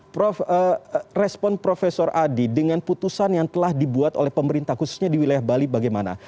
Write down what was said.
prof respon prof adi dengan putusan yang telah dibuat oleh pemerintah khususnya di wilayah bali bagaimana